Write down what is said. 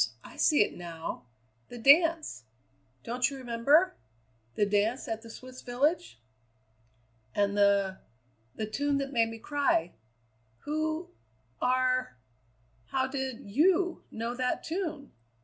I see it now the dance! Don't you remember? The dance at the Swiss village?" "And the the tune that made me cry. Who are How did you know that tune?